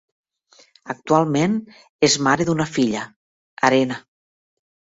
Actualment és mare d'una filla, Arena.